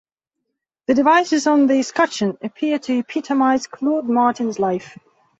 The devices on the escutcheon appear to epitomise Claude Martin's life.